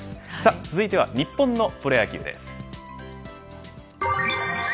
続いては日本のプロ野球です。